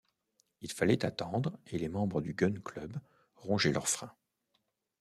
Il fallait attendre, et les membres du Gun-Club rongeaient leur frein.